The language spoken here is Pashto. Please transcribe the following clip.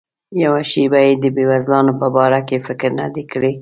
یوه شیبه یې د بېوزلانو په باره کې فکر نه دی کړی.